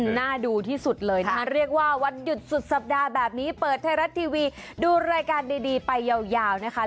หน้าดูที่สุดเลยนะคะเรียกว่าวันหยุดสุดสัปดาห์แบบนี้เปิดไทยรัฐทีวีดูรายการดีไปยาวนะคะ